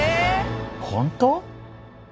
本当？